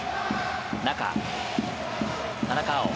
中、田中碧。